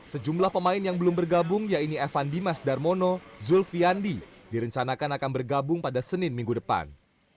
sejumlah pemain yang belum bergabung yaitu evan dimas darmono zulfiandi direncanakan akan bergabung pada senin minggu depan